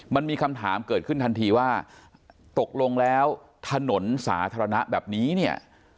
มันมีคำถามเกิดขึ้นทันทีว่าตกลงแล้วถนนสาธารณะแบบนี้เนี่ย